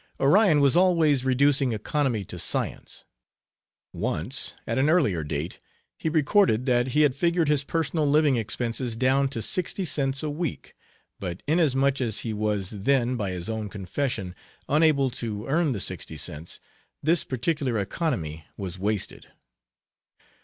Orion was always reducing economy to science. Once, at an earlier date, he recorded that he had figured his personal living expenses down to sixty cents a week, but inasmuch as he was then, by his own confession, unable to earn the sixty cents, this particular economy was wasted.